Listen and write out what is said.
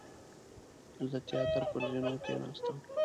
زه د تیاتر پر زینو کېناستم.